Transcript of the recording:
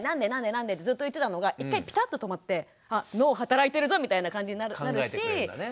なんで？」ってずっと言ってたのが一回ピタッと止まってあ脳働いてるぞみたいな感じになるし。